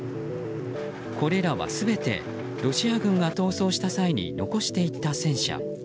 これらは全てロシア軍が逃走した際に残していった戦車。